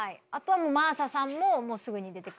真麻さんもすぐに出てくる。